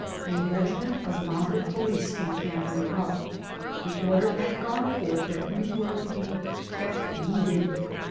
A regiment of mounted police came cantering: up. The order had gone forth that we were to be * kept moving.'